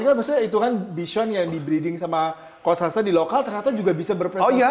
maksudnya itu kan vision yang di breeding sama kok sansan di lokal ternyata juga bisa berprestasi secara digital ya